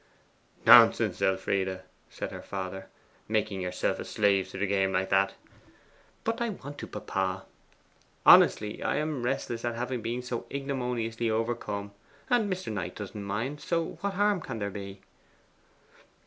'Nonsense, Elfride,' said her father. 'Making yourself a slave to the game like that.' 'But I want to, papa! Honestly, I am restless at having been so ignominiously overcome. And Mr. Knight doesn't mind. So what harm can there be?